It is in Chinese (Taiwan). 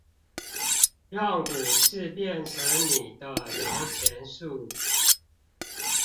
讓股市變成你的搖錢樹